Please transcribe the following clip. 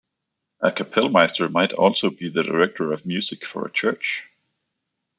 A Kapellmeister might also be the director of music for a church.